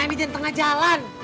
main di jalan tengah jalan